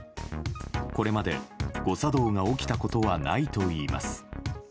これまで誤作動が起きたことはないといいます。